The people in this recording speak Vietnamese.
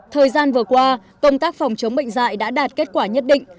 thời gian vừa qua công tác phòng chống bệnh dạy đã đạt kết quả nhất định